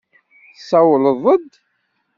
Tsawleḍ-d?